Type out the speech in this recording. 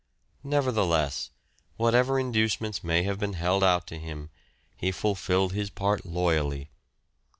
Nevertheless, whatever inducements may have been held out to him he ful filled his part loyally.